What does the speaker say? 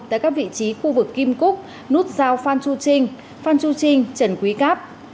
tại các vị trí khu vực kim cúc nút giao phan chu trinh phan chu trinh trần quý cáp